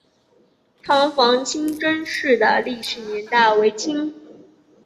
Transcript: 塘坊清真寺的历史年代为清。